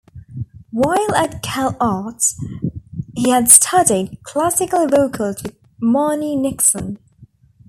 While at Cal Arts, he had studied classical vocals with Marni Nixon.